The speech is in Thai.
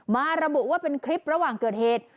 ระบุว่าเป็นคลิประหว่างเกิดเหตุ